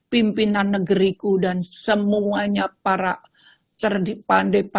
pimpinan negeriku dan semuanya para cerdik pantai